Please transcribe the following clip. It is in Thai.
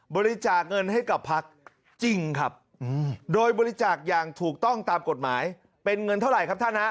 บริจาคเงินให้กับพักจริงครับโดยบริจาคอย่างถูกต้องตามกฎหมายเป็นเงินเท่าไหร่ครับท่านฮะ